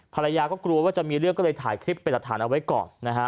ภรรยาก็กลัวว่าจะมีเรื่องก็เลยถ่ายคลิปเป็นหลักฐานเอาไว้ก่อนนะฮะ